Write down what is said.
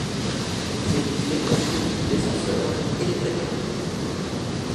Ils élisent les consuls, les censeurs et les préteurs.